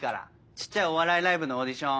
小っちゃいお笑いライブのオーディション。